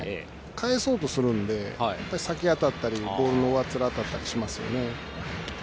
返そうとするんで先に当たったりボールの上っ面に当たったりしますよね。